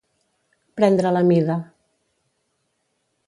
Prendre la mida.